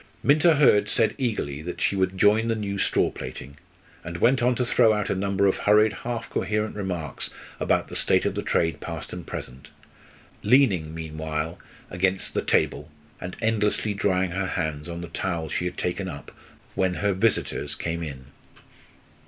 Minta Hurd said eagerly that she would join the new straw plaiting, and went on to throw out a number of hurried, half coherent remarks about the state of the trade past and present, leaning meanwhile against the table and endlessly drying her hands on the towel she had taken up when her visitors came in.